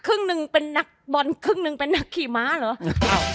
ครึ่งหนึ่งเป็นนักบอลครึ่งหนึ่งเป็นนักขี่ม้าเหรอ